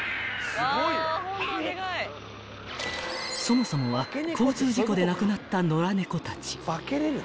［そもそもは交通事故で亡くなった野良猫たち］